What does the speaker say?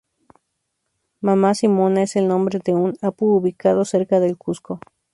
Mama Simona es el nombre de un apu ubicado cerca del Cuzco.